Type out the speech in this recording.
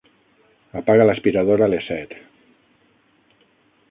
Apaga l'aspiradora a les set.